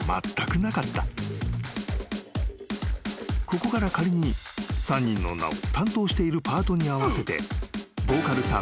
［ここから仮に３人の名を担当しているパートに合わせて］